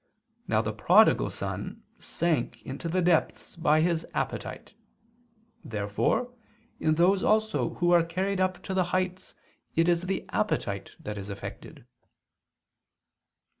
Now the prodigal son sank into the depths by his appetite. Therefore in those also who are carried up into the heights it is the appetite that is affected.